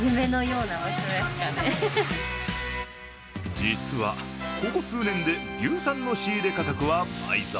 実はここ数年で牛タンの仕入れ価格は倍増。